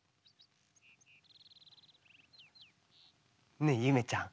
ねえゆめちゃん。